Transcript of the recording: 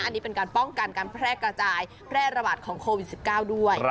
อันนี้เป็นการป้องกันการแพร่กระจายแพร่ระบาดของโควิด๑๙ด้วย